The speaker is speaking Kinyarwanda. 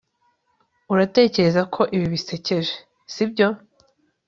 uratekereza ko ibi bisekeje, sibyo